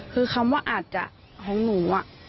คือคำว่าอาจจะของหนู